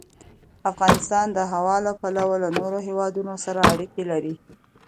افغانستان د هوا له پلوه له نورو هېوادونو سره اړیکې لري.